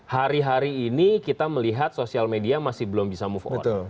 hari hari ini kita melihat sosial media masih belum bisa move on